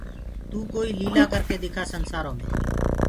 تو ڪوئيٚ ليلآ ڪرڪي دکآ سنسآرو مي